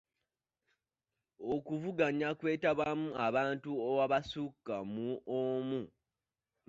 Okuvuganya kwetabwamu abantu abasukka mu omu.